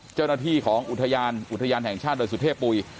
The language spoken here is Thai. เจ้าหน้าที่ของอุทยานอุทยานแห่งชาติดอยสุเทพปุ๋ย